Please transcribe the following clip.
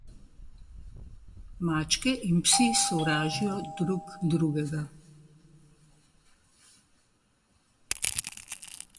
Mačke in psi sovražijo drug drugega.